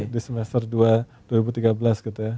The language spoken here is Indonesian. di semester dua ribu tiga belas gitu ya